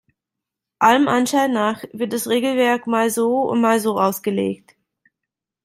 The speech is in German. Allem Anschein nach wird das Regelwerk mal so und mal so ausgelegt.